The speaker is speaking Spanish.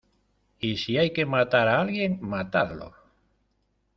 ¡ y si hay que matar a alguien, matadlo!